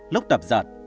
lúc tập giật